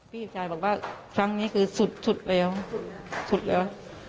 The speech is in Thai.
พี่ชายบอกว่าครั้งนี้คือสุดสุดแล้ว